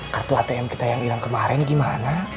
kartu atm kita yang hilang kemarin gimana